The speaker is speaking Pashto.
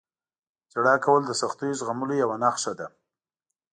• ژړا کول د سختیو زغملو یوه نښه ده.